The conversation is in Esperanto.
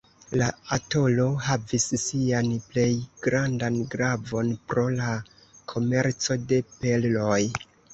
La atolo havis sian plej grandan gravon pro la komerco de perloj.